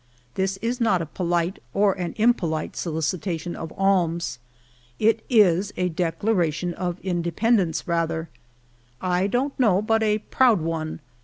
This is not a polite or an impolite solicitation of alms. It is a declara tion ot independence rather— I don't know but a proud one.